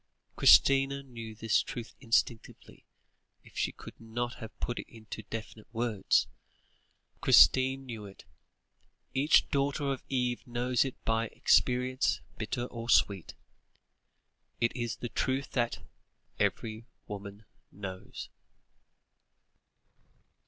Christina knew this truth instinctively, if she could not have put it into definite words; Christina knew it; each daughter of Eve knows it by experience bitter or sweet it is the truth that "every woman knows"!